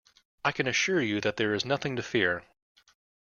I can assure you that there is nothing to fear